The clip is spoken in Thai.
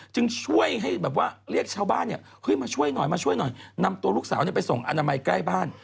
จึงช่วยให้แบบว่าเรียกชาวบ้านมาช่วยหน่อยมาช่วยหน่อยนำตัวลูกสาวไปส่งอนามัยใกล้บ้าน